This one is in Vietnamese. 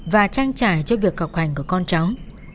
và trang trải cho việc học hành của con cháu